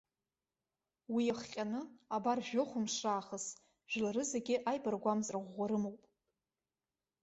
Уи иахҟьаны, абар жәохәымш раахыс, жәлары зегьы аибаргәамҵра ӷәӷәа рымоуп.